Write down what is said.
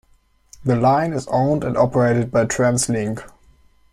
The line is owned and operated by TransLink.